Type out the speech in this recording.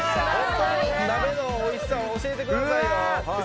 鍋のおいしさ教えてくださいよ！